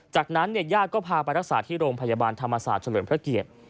จากนั้นญาติก็พาไปรักษาที่โรงพยาบาลธรรมศาสตร์เฉลิมพระเกียรติ